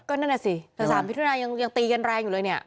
ก็นั่นแหละสิแต่๓มิถุนายังตีกันแรงอยู่เลยเนี่ย